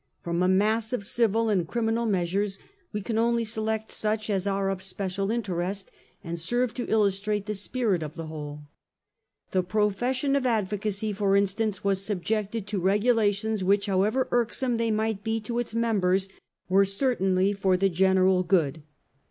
From a mass of civil and criminal measures we can only select such as are of special interest and serve to illustrate the spirit of the whole. The profession of advocacy, for instance, was subjected to regulations which, however irksome they might be to its members, were certainly for the general good.